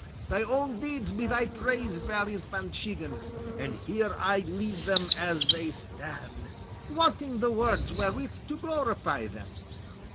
Thy own deeds be thy praise, valiant Manchegan, and here I leave them as they stand, wanting the words wherewith to glorify them!"